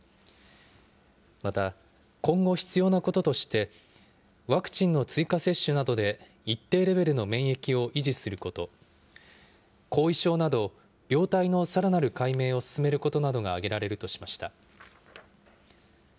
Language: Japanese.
また、今後必要なこととして、ワクチンの追加接種などで一定レベルの免疫を維持すること、後遺症など、病態のさらなる解明を進めることなどが挙げられるとしました。